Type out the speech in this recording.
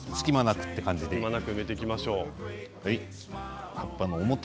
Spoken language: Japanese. くまなく埋めていきましょう。